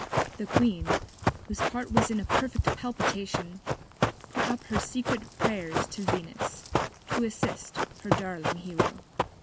The Queen, whose Heart was in a perfect Palpitation, put up her secret Prayers to Venus to assist her darling Hero.